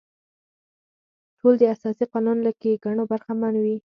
ټول د اساسي قانون له ښېګڼو برخمن وي.